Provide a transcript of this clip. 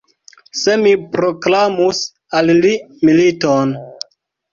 Se mi proklamus al li militon!